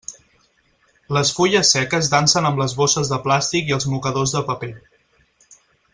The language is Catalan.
Les fulles seques dansen amb les bosses de plàstic i els mocadors de paper.